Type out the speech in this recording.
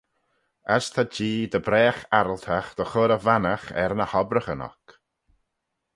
As ta Jee dy bragh arryltagh dy chur e vannaght er ny hobbraghyn oc.